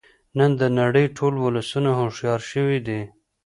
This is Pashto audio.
نن د نړۍ ټول ولسونه هوښیار شوی دی